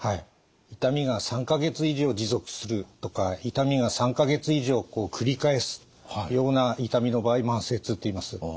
痛みが３か月以上持続するとか痛みが３か月以上繰り返すような痛みの場合慢性痛といいます。